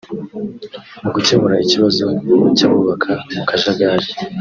Mu gukemura ikibazo cy’abubaka mu kajagari